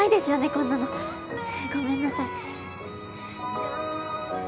こんなのごめんなさい